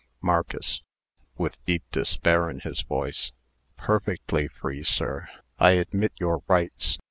MARCUS (with deep despair in his voice). "Perfectly free, sir. I admit your rights.